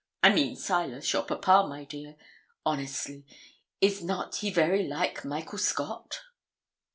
I mean, Silas, your papa, my dear. Honestly, is not he very like Michael Scott?'